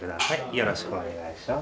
よろしくお願いします。